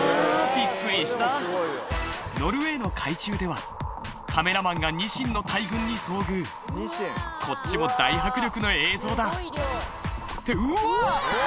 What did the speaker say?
びっくりしたノルウェーの海中ではカメラマンがニシンの大群に遭遇こっちも大迫力の映像だってうわ！